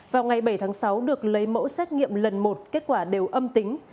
vào ngày bảy tháng sáu được lấy mẫu xét nghiệm lần một kết quả đều âm tính